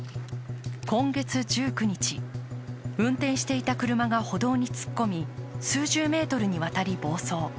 今月１９日、運転していた車が歩道に突っ込み、数十メートルにわたり暴走。